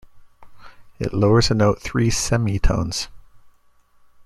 It lowers a note three semitones.